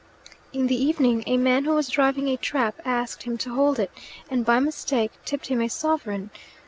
In the evening a man who was driving a trap asked him to hold it, and by mistake tipped him a sovereign.